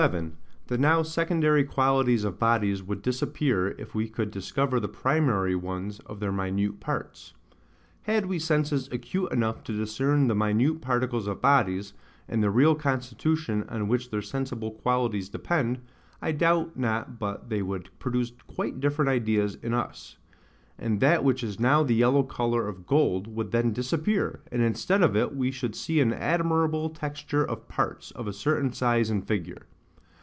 The now secondary Qualities of Bodies would disappear, if we could discover the primary ones of their minute Parts. Had we senses acute enough to discern the minute particles of bodies, and the real constitution on which their sensible qualities depend, I doubt not but they would produce quite different ideas in us: and that which is now the yellow colour of gold, would then disappear, and instead of it we should see an admirable texture of parts, of a certain size and figure.